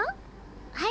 はい。